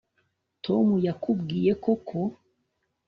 tom yakubwiye koko